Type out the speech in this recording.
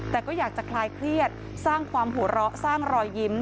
แต่ก็อยากจะคลายเครียดสร้างความหัวเราะสร้างรอยยิ้ม